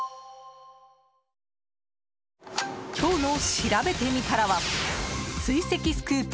今日のしらべてみたらは追跡スクープ